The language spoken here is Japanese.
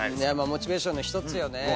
モチベーションの１つよね。